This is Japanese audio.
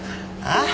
ああ！？